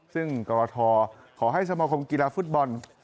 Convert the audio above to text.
ซึ่งกรทขอให้สมคมกีฬาฟุตบอล